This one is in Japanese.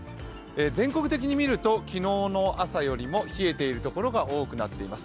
全国的に見ると昨日の朝よりも冷えている所が多くなっています。